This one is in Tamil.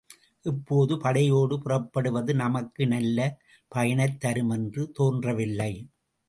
இப்போது படையோடு புறப்படுவது நமக்கு நல்ல பயனைத் தரும் என்று தோன்றவில்லை.